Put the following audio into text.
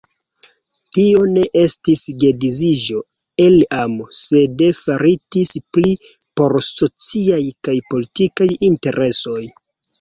Tio ne estis geedziĝo el amo, sed faritis pli por sociaj kaj politikaj interesoj.